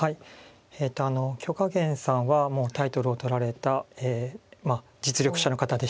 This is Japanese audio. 許家元さんはもうタイトルを取られた実力者の方でして。